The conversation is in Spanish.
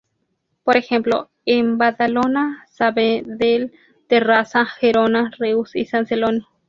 Por ejemplo en Badalona, Sabadell, Tarrasa, Gerona, Reus y San Celoni.